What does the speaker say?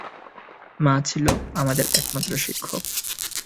মা ছিল আমাদের একমাত্র শিক্ষক।